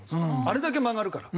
あれだけ曲がるから。